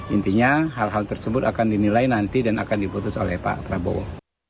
intinya hal hal tersebut akan dinilai nanti dan akan diputus oleh pak prabowo